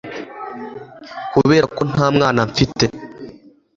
Kubera ko nta mwana mfite